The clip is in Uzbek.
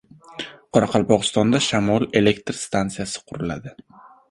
Qoraqalpog‘istonda shamol elektr stansiyasi quriladi